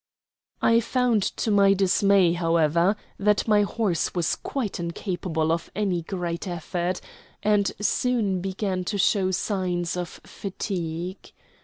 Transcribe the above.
I found to my dismay, however, that my horse was quite incapable of any great effort, and soon began to show signs of fatigue.